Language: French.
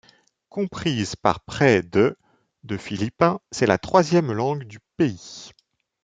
Comprise par près de de Philippins, c'est la troisième langue du pays.